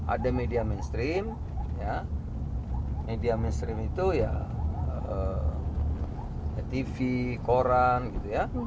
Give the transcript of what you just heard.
ada media mainstream ya media mainstream itu ya tv koran gitu ya